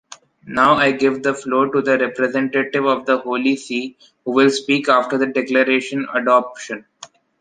Now I give the floor to the representative of the Holy See, who will speak after the Declaration adoption.